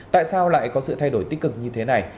tại sao lại có sự thay đổi tích cực như thế này